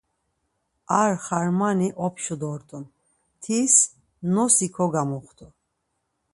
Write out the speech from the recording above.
Ar xarmani opşu dort̆un, tis nosi kogamuxtu.